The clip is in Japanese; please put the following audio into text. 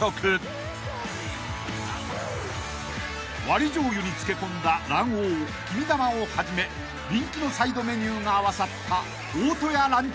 ［割りじょうゆに漬け込んだ卵黄きみだまをはじめ人気のサイドメニューが合わさった］